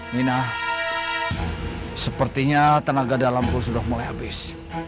mina sepertinya tenaga dalamku sudah mulai habis